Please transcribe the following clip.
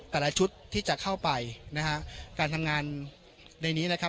แต่ละชุดที่จะเข้าไปนะฮะการทำงานในนี้นะครับ